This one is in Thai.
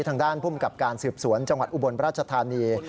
ทางด้านภูมิกับการสืบสวนจังหวัดอุบลราชธานี